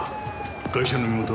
ガイシャの身元は？